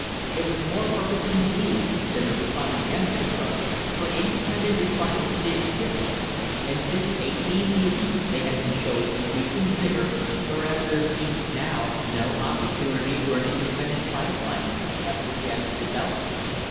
It was more perfect, indeed, than the refining end of the trust, for independent refiners did exist, and since 1880 they had been showing increasing vigour, whereas there seemed now no opportunity for an independent pipe line ever again to develop.